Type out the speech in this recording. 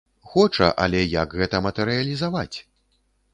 Хоча, але як гэта матэрыялізаваць?